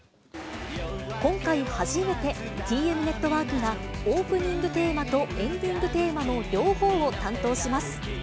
今回初めてＴＭＮＥＴＷＯＲＫが、オープニングテーマとエンディングテーマの両方を担当します。